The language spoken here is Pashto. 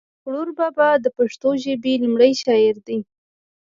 امیر کړوړ بابا د پښتو ژبی لومړی شاعر دی